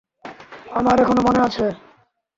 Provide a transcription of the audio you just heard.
আমার এখনো মনে আছে।